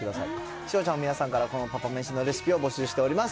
視聴者の皆さんからこのパパめしのレシピを募集しております。